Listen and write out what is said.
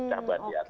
cah ban di atas